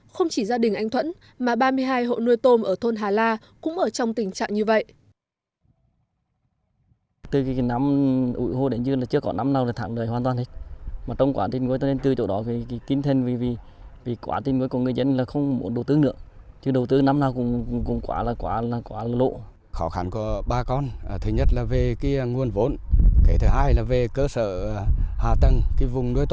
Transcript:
không chỉ gia đình anh thuẫn mà ba mươi hai hộ nuôi tôm ở thôn hà la cũng ở trong tình trạng như vậy